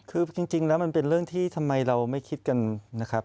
คือจริงแล้วมันเป็นเรื่องที่ทำไมเราไม่คิดกันนะครับ